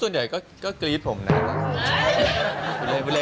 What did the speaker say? ก็ส่วนใหญ่ก็กรี๊ดผมนานแหละ